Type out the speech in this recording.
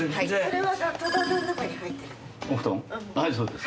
はいそうです。